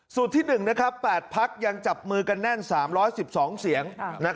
สูตรที่๑นะครับ๘พักยังจับมือกันแน่น๓๑๒เสียง